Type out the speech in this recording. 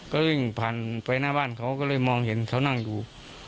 ก็วิ่งผ่านไปหน้าบ้านเขาก็เลยมองเห็นเขานั่งอยู่